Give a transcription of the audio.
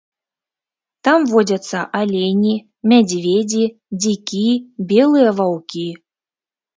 Там водзяцца алені, мядзведзі, дзікі, белыя ваўкі.